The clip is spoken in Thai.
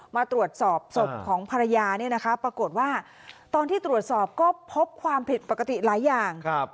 มาตรวจสอบศพของภรรยาเนี่ยนะคะปรากฏว่าตอนที่ตรวจสอบก็พบความผิดปกติหลายอย่าง